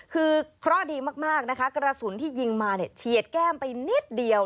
คือเคราะห์ดีมากนะคะกระสุนที่ยิงมาเนี่ยเฉียดแก้มไปนิดเดียว